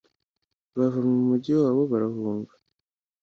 bava mu migi yabo barahunga